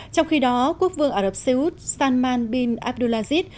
trong khi đó quốc vương ả rập xê út salman bin abdulazit